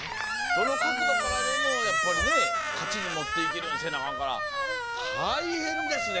どの角度からでもやっぱりね勝ちに持っていけるようにせなあかんから大変ですね